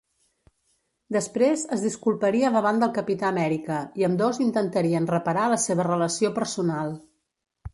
Després, es disculparia davant del Capità Amèrica i ambdós intentarien reparar la seva relació personal.